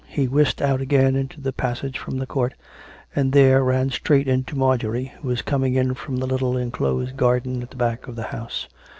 He whisked out again into the passage from the court, and there ran straight into Marjorie, who was coming in from the little enclosed garden at the back of the house.